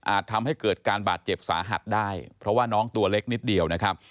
ทำให้เกิดการบาดเจ็บสาหัสได้เพราะว่าน้องตัวเล็กนิดเดียวนะครับ